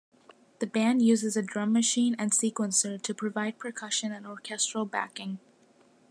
The band uses a drum machine and sequencer to provide percussion and orchestral backing.